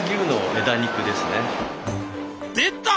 出た！